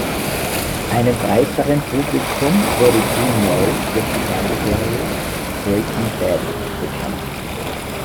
Einem breiteren Publikum wurde Dean Norris durch die Fernsehserie "Breaking Bad" bekannt.